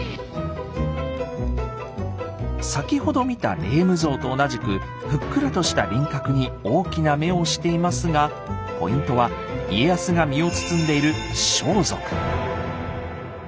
先ほど見た「霊夢像」と同じくふっくらとした輪郭に大きな目をしていますがポイントは家康が身を包んでいる「装束」。